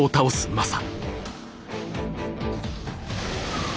マサ！